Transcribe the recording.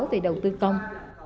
về đầu tư công